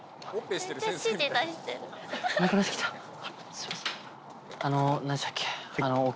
すいません。